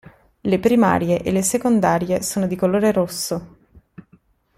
Le primarie e le secondarie sono di colore rosso.